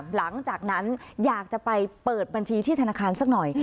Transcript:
หลังจากนั้นอยากจะไปเปิดบัญชีที่ธนาคารสักหน่อย